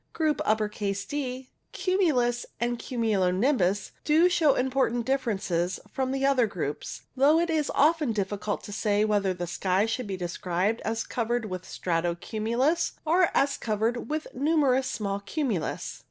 Group D — cumulus and cumulo nimbus — do show important differences from the other groups, though it is often difficult to say whether the sky should be described as covered with strato cumulus or as covered with numerous small cumulus.